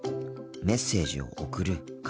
メッセージを送るか。